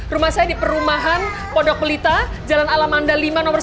rumah saya di perumahan podok melita jalan alam anda lima nomor sepuluh